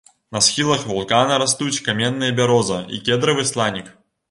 На схілах вулкана растуць каменная бяроза і кедравы сланік.